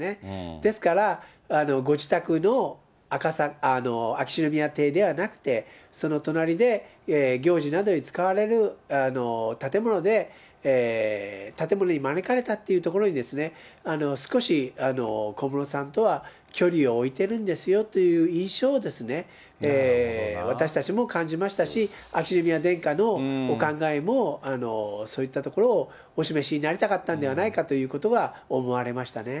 ですから、ご自宅の秋篠宮邸ではなくて、その隣で行事などに使われる建物で、建物に招かれたというところに、少し小室さんとは距離を置いてるんですよという印象を、私たちも感じましたし、秋篠宮殿下のお考えも、そういったところをお示しになりたかったんではないかということを思われましたね。